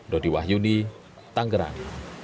dodi wahyuni tanggeran